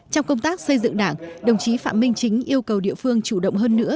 trong công tác xây dựng đảng đồng chí phạm minh chính yêu cầu địa phương chủ động hơn nữa